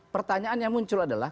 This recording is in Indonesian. pertanyaan yang muncul adalah